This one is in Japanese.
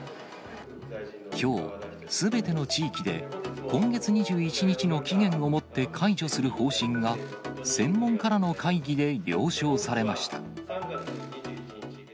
きょう、すべての地域で今月２１日の期限をもって解除する方針が、専門家らの会議で了承されました。